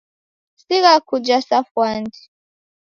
Sigha kuja sa fwandi